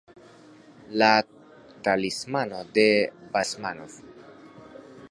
La talismano de Basmanov.